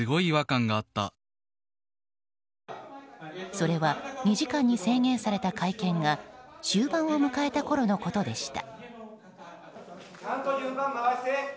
それは２時間に制限された会見が終盤を迎えたころのことでした。